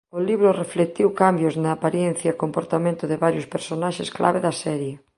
O libro reflectiu cambios na aparencia e comportamento de varios personaxes clave da serie.